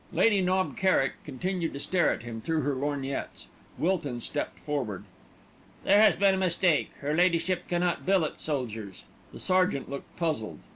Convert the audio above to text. Lady Knob Kerrick continued to stare at him through her lorgnettes. Wilton stepped forward. "There has been a mistake. Her Ladyship cannot billet soldiers." The sergeant looked puzzled.